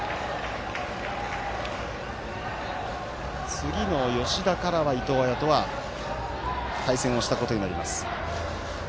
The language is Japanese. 次の吉田からは伊藤彩斗は対戦をしたことになります。